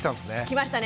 来ましたね